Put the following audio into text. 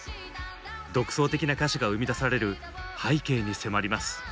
独創的な歌詞が生み出される背景に迫ります。